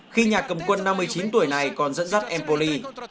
khi nhà cầm quân năm mươi chín tuổi này còn dẫn dắt empoli